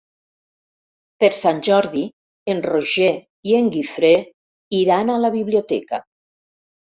Per Sant Jordi en Roger i en Guifré iran a la biblioteca.